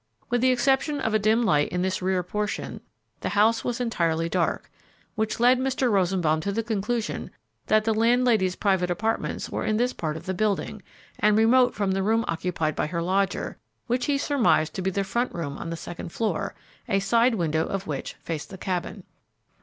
With the exception of a dim light in this rear portion, the house was entirely dark, which led Mr. Rosenbaum to the conclusion that the landlady's private apartments were in this part of the building and remote from the room occupied by her lodger, which he surmised to be the front room on the second floor, a side window of which faced the cabin.